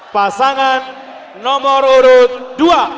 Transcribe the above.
pasangan nomor urut dua